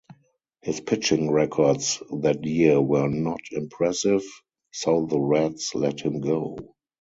His pitching records that year were not impressive, so the Reds let him go.